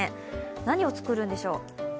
何を作るんでしょう？